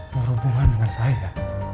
berhubungan dengan saya